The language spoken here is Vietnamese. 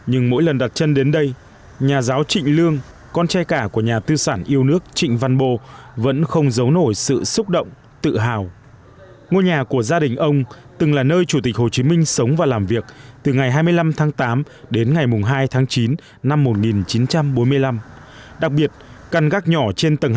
hãy đăng ký kênh để ủng hộ kênh của mình nhé